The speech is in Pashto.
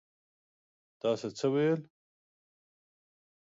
تاسو څه ويل؟